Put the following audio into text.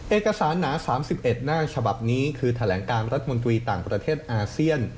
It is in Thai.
เอกสารหนา๓๑หน้าฉบับนี้คือแถลงการรัฐมนตรีต่างประเทศอาเซียน